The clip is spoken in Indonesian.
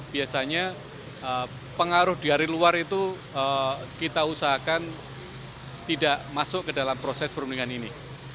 biasanya pengaruh dari luar itu kita usahakan tidak masuk ke dalam proses perundingan ini